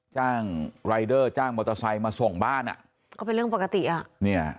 จ้างรายเดอร์จ้างมอเตอร์ไซค์มาส่งบ้านเป็นเรื่องปกติ